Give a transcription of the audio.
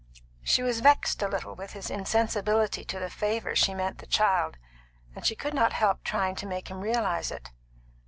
She was vexed a little with his insensibility to the favour she meant the child, and she could not help trying to make him realise it.